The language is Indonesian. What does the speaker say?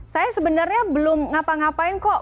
saya sebenarnya belum ngapa ngapain kok